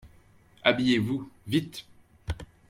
Habillez-vous, vite.